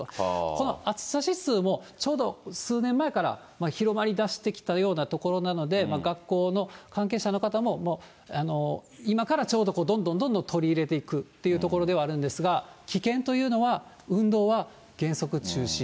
この暑さ指数も、ちょうど数年前から広まり出してきたようなところなので、学校の関係者の方も、もう今からちょうどどんどんどんどん取り入れていくというところではあるんですが、危険というのは、運動は原則中止。